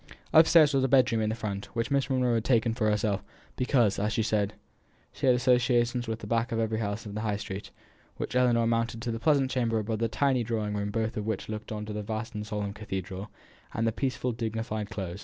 Upstairs was a bedroom to the front, which Miss Monro had taken for herself, because as she said, she had old associations with the back of every house in the High street, while Ellinor mounted to the pleasant chamber above the tiny drawing room both of which looked on to the vast and solemn cathedral, and the peaceful dignified Close.